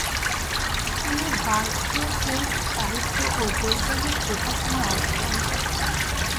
তিনি বার্কবেক সাহিত্য ও বৈজ্ঞানিক প্রতিষ্ঠানে অধ্যয়ন করেন।